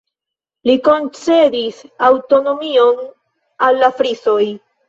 Li koncedis aŭtonomion al la Frisoj.